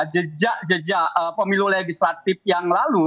jejak jejak pemilu legislatif yang lalu